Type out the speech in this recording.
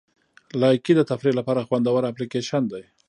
لایکي د تفریح لپاره خوندوره اپلیکیشن دی.